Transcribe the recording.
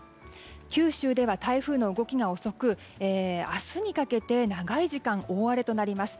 九州では台風の動きが遅く明日にかけて、長い時間大荒れとなります。